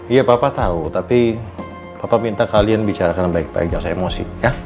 iya papa tau tapi papa minta kalian bicarakan baik baik jangan usah emosi ya